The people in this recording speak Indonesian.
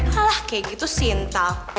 alah kayak gitu sintal